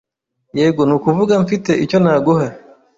Yego, nukuvuga, mfite icyo naguha.